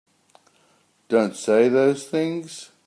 Don't say those things!